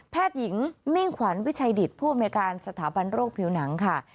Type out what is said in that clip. หญิงมิ่งขวัญวิชัยดิตผู้อำนวยการสถาบันโรคผิวหนังค่ะ